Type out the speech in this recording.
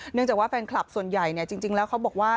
เนื่องจากว่าแฟนคลับส่วนใหญ่จริงแล้วเขาบอกว่า